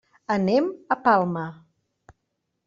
Anem a Palma.